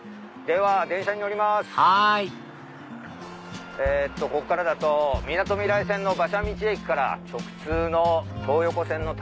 はいここからだとみなとみらい線の馬車道駅から直通の東横線の旅！